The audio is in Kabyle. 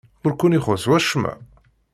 Ur ken-ixuṣṣ wacemma?